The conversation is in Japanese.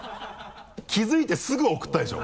気づいてすぐ送ったでしょ？